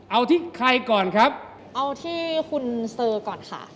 เอาที่ใครก่อนครับเอาที่คุณเซอร์ก่อนค่ะ